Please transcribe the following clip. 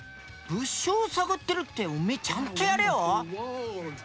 物証を探ってるっておめえちゃんとやれよ？